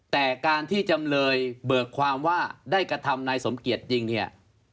แต่การที่จำเลยเบิกความว่าได้กระทำนายสมเกียจจริงเนี่ย